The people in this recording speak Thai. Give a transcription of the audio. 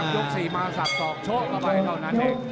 ยก๔มาสับสอกโชคเข้าไปเท่านั้นเอง